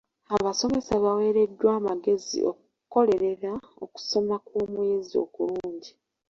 Abasomesa baweereddwa amagezi okukolerera okusoma kw'omuyizi okulungi.